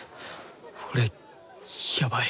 俺やばい。